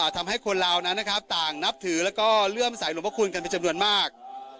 ทำให้คนเรานั้นนะครับต่างนับถือแล้วก็เลื่อมสายหลวงพระคุณกันเป็นจำนวนมาก